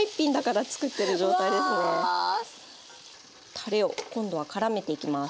たれを今度はからめていきます。